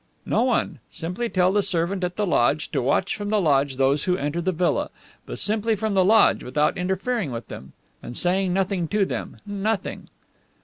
"No one. Simply tell the servant at the lodge to watch from the lodge those who enter the villa, but simply from the lodge, without interfering with them, and saying nothing to them, nothing."